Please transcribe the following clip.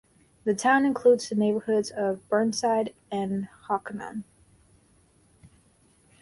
The town includes the neighborhoods of Burnside and Hockanum.